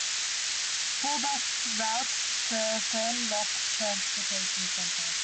Four bus routes serve Fern Rock Transportation Center.